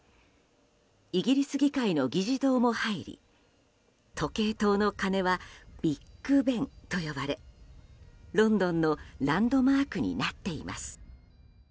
イギリス議会の議事堂も入り時計塔の鐘はビッグベンと呼ばれロンドンのランドマークになっています。